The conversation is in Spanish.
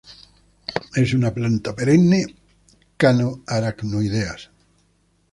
Es una planta perenne, cano-aracnoideas.